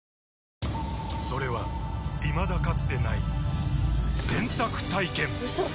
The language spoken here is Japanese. それはいまだかつてない洗濯体験‼うそっ！